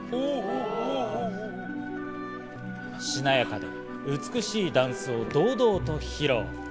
しなやかで美しいダンスを堂々と披露。